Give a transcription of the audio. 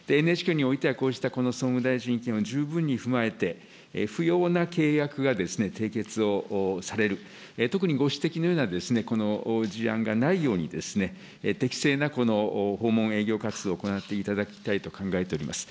ＮＨＫにおいてはこうしたこの総務大臣意見を十分に踏まえて、不要な契約が締結をされる、特にご指摘のようなこの事案がないようにですね、適正なこの訪問営業活動を行っていただきたいと考えております。